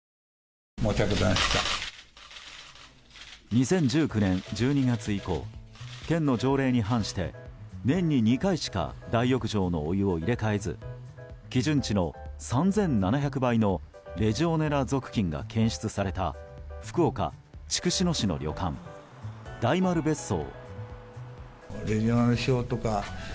２０１９年１２月以降県の条例に反して年に２回しか大浴場のお湯を入れ替えず基準値の３７００倍のレジオネラ属菌が検出された福岡・筑紫野市の旅館大丸別荘。